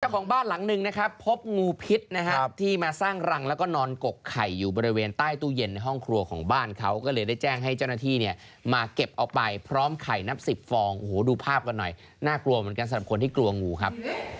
ของบ้านหลังหนึ่งนะครับพบงูพิษนะครับที่มาสร้างรังแล้วก็นอนกกไข่อยู่บริเวณใต้ตู้เย็นในห้องครัวของบ้านเขาก็เลยได้แจ้งให้เจ้าหน้าที่เนี่ยมาเก็บเอาไปพร้อมไข่นับสิบฟองโอ้โหดูภาพกันหน่อยน่ากลัวเหมือนกันสำหรับคนที่กลัวงูครับ